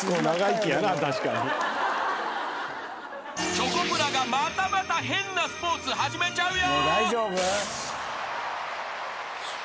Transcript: ［チョコプラがまたまた変なスポーツ始めちゃうよ］